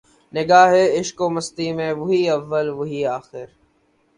نگاہ عشق و مستی میں وہی اول وہی آخر